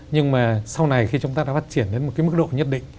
nhưng mà sau này khi chúng ta đã phát triển đến một cái mức độ nhất định